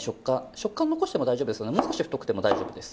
食感残しても大丈夫ですのでもう少し太くても大丈夫です。